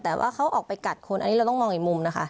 แต่ว่าเขาออกไปกัดคนอันนี้เราต้องมองอีกมุมนะคะ